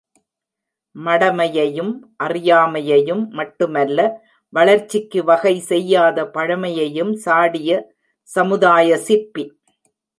மடமையையும், அறியாமையையும், மட்டுமல்ல வளர்ச்சிக்கு வகை செய்யாத பழமையையும் சாடிய சமுதாய சிற்பி.